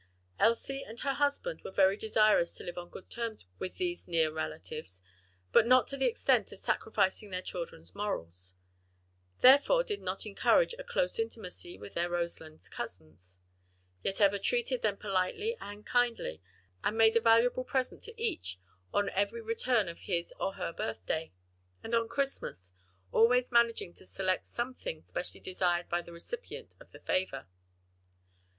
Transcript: Elsie and her husband were very desirous to live on good terms with these near relatives, but not to the extent of sacrificing their children's morals; therefore did not encourage a close intimacy with their Roselands cousins; yet ever treated them politely and kindly, and made a valuable present to each on every return of his or her birthday, and on Christmas; always managing to select something specially desired by the recipient of the favor.